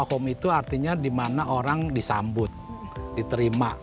hukum itu artinya di mana orang disambut diterima